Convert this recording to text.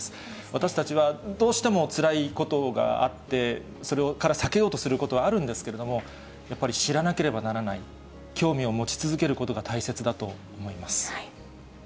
私たちはどうしてもつらいことがあって、それから避けようとすることはあるんですけれども、やっぱり知らなければならない、興味を持ち続けることが大切だと思います。